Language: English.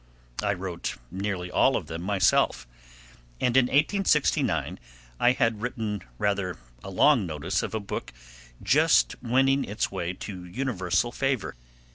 I wrote nearly all of them myself, and in 1869 I had written rather a long notice of a book just winning its way to universal favor.